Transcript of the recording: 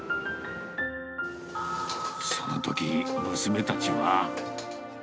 そのとき、娘たちは。